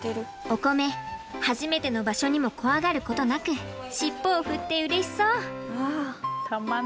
おこめ初めての場所にも怖がることなく尻尾を振ってうれしそう。